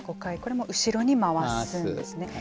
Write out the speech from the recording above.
これも後ろに回すんですね。